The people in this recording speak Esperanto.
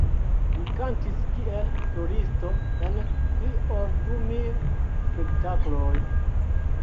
Li kantis kiel solisto en pli ol du mil spektakloj.